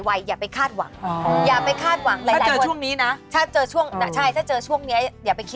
แล้วความรักกันมากันเลยดิ